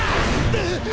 うっ！